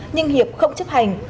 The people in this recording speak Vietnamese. nhưng hiệp không chấp hành